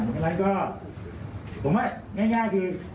เพราะฉะนั้นก็ผมว่าง่ายคือ